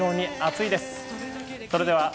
非常に暑いです。